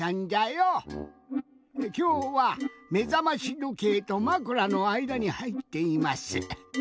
きょうはめざましどけいとまくらのあいだにはいっています。